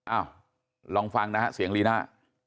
นี่ลองฟังนะฮะเสียงลินา